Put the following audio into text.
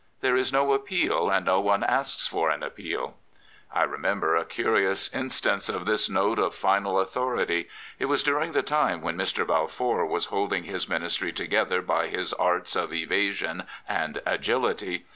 There is no appeal, and no one asks for an appeal. I remember a curious instance of this note of final authority. It was during the time when Mr. Balfour was holding his Ministry together by his arts of evasion and agility.